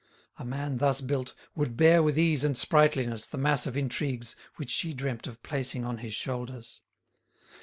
A man thus built would bear with ease and sprightliness the mass of intrigues which she dreamt of placing on his shoulders.